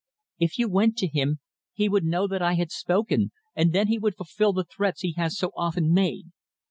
"If you went to him he would know that I had spoken, and then he would fulfil the threats he has so often made.